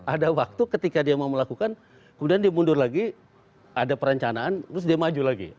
ada waktu ketika dia mau melakukan kemudian dia mundur lagi ada perencanaan terus dia maju lagi